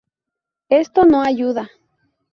Esto no ayuda.